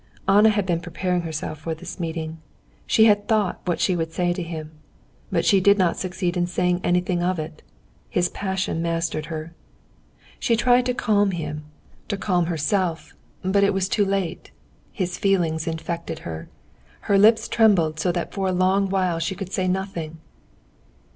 Anna had been preparing herself for this meeting, had thought what she would say to him, but she did not succeed in saying anything of it; his passion mastered her. She tried to calm him, to calm herself, but it was too late. His feeling infected her. Her lips trembled so that for a long while she could say nothing.